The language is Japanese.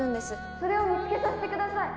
・それを見つけさせて下さい。